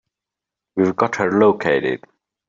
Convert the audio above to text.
We've got her located.